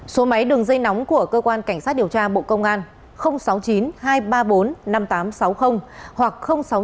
số máy đường dây nóng của cơ quan cảnh sát điều tra bộ công an sáu mươi chín hai trăm ba mươi bốn năm nghìn tám trăm sáu mươi hoặc sáu mươi chín hai trăm ba mươi hai một nghìn sáu trăm sáu mươi